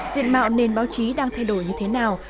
diện mạo nền báo chí đang thay đổi như thế nào